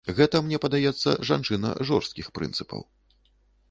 Гэта, мне падаецца, жанчына жорсткіх прынцыпаў.